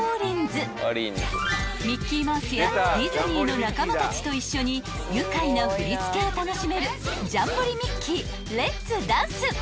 ［ミッキーマウスやディズニーの仲間たちと一緒に愉快な振り付けを楽しめる］